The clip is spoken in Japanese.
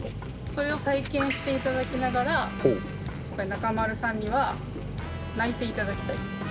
それを体験していただきながら、中丸さんには、泣いていただきたい。